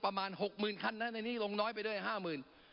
ประมาณ๖๐๐๐๐คันนะซู่นน้อยไปด้วย๕ที่